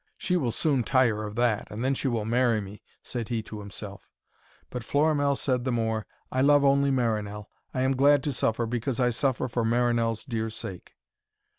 'She will soon tire of that, and then she will marry me,' said he to himself. But Florimell said the more, 'I love only Marinell. I am glad to suffer, because I suffer for Marinell's dear sake.'